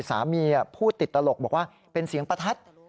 พูดติดตลกบอกว่าเป็นเสียงประทัด